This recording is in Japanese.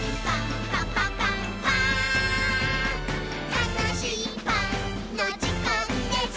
「たのしいパンのじかんです！」